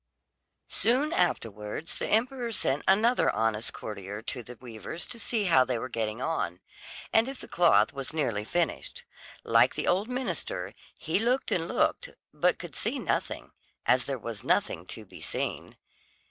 Soon afterwards the emperor sent another honest courtier to the weavers to see how they were getting on, and if the cloth was nearly finished. Like the old minister, he looked and looked but could see nothing, as there was nothing to be seen.